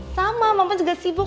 sama mama juga sibuk